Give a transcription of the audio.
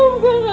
maafkan aku kak